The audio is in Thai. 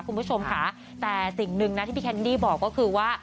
คุณผู้ชมค่ะแต่สิ่งหนึ่งนะที่พี่แคนดี้บอกก็คือว่า